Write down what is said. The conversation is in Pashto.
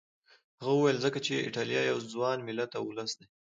هغه وویل ځکه چې ایټالیا یو ځوان ملت او ولس دی.